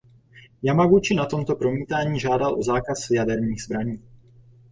Jamaguči na tomto promítání žádal o zákaz jaderných zbraní.